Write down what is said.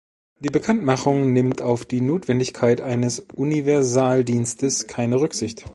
Die Bekanntmachung nimmt auf die Notwendigkeit eines Universaldienstes keine Rücksicht.